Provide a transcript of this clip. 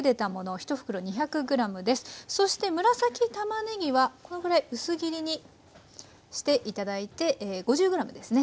紫たまねぎはこのぐらい薄切りにして頂いて５０ｇですね。